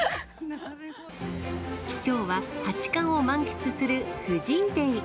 きょうは八冠を満喫する藤井デー。